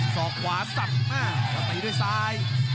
สอกขวาสั่บมากแล้วตีด้วยซ้าย